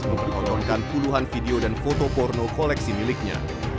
mempertontonkan puluhan video dan foto porno koleksi miliknya